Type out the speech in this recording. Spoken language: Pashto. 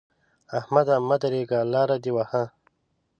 احمده! مه درېږه؛ لاره دې وهه.